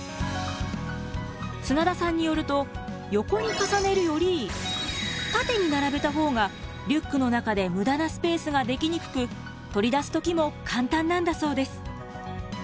砂田さんによると横に重ねるより縦に並べたほうがリュックの中で無駄なスペースができにくく取り出す時も簡単なんだそうです。